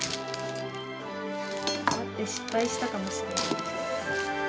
待って、失敗したかもしれない。